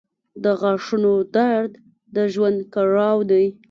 • د غاښونو درد د ژوند کړاو دی.